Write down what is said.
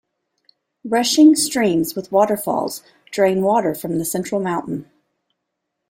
Rushing streams with waterfalls drain water from the central mountain.